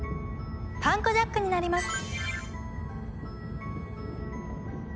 パンクジャックになります。